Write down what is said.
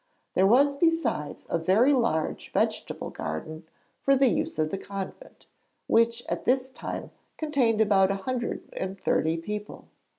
There was besides a very large vegetable garden for the use of the convent, which at this time contained about a hundred and thirty people.